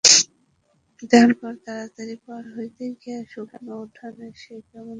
তারপর তাড়াতাড়ি পার হইতে গিয়া শুকনো উঠানে সে কেমন করিয়া পড়িয়া গেল কে জানে!